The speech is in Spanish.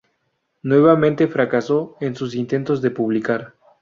Nuevamente fracasó en sus intentos de publicar.